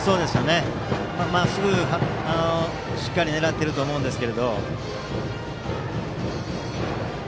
まっすぐをしっかり狙っていると思うんですが。